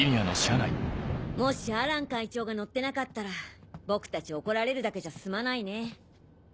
もしアラン会長が乗ってなかったら僕たち怒られるだけじゃ済まないね。